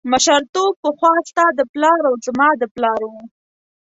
مشرتوب پخوا ستا د پلار او زما د پلار و.